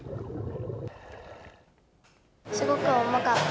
すごく重かった。